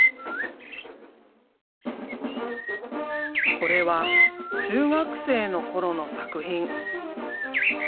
これは中学生の頃の作品。